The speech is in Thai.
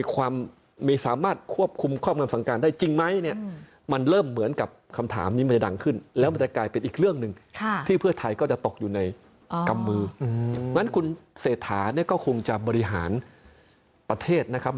ก็จะตกอยู่ในกำมือฉะนั้นคุณเศรษฐานี่ก็คงจะบริหารประเทศนะครับ